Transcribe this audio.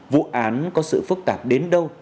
vụ án có sự phức tạp đến đâu